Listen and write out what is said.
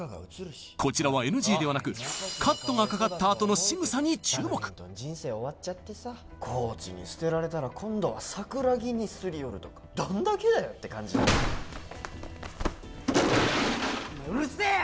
こちらはＮＧではなくカットがかかったあとのしぐさに注目コーチに捨てられたら今度は桜木にすり寄るとかどんだけだよって感じお前うるせえよ！